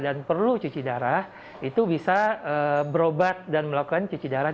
dan perlu cuci darah itu bisa berobat dan melakukan cuci darah